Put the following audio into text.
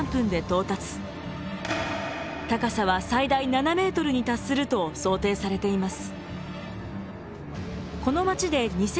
高さは最大７ｍに達すると想定されています。